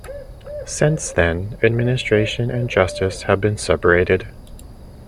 Since then, administration and justice have been separated.